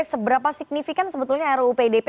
seberapa signifikan sebetulnya ruu pdp